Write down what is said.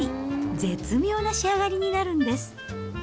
絶妙な仕上がりになるんです。